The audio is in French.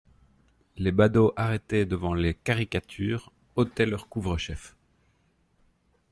Les badauds arrêtés devant les caricatures ôtaient leurs couvre-chefs.